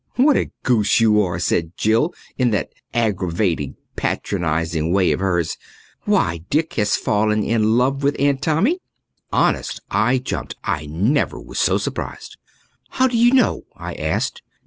"What a goose you are!" said Jill in that aggravatingly patronizing way of hers. "Why, Dick has fallen in love with Aunt Tommy!" Honest, I jumped. I never was so surprised. "How do you know?" I asked.